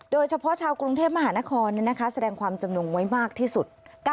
โดยเฉพาะชาวกรุงเทพมหานครแสดงความจำนงไว้มากที่สุด